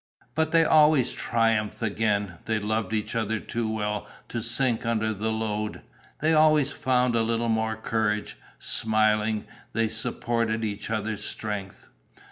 But they always triumphed again: they loved each other too well to sink under the load. They always found a little more courage; smiling, they supported each other's strength.